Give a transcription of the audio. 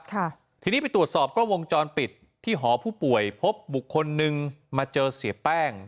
ค่ะทีนี้ไปตรวจสอบกล้องวงจรปิดที่หอผู้ป่วยพบบุคคลนึงมาเจอเสียแป้ง